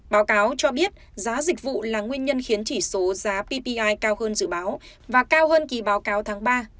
báo cáo cho biết giá dịch vụ là nguyên nhân khiến chỉ số giá ppi cao hơn dự báo và cao hơn kỳ báo cáo tháng ba